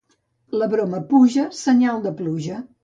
La broma puja, senyal de pluja.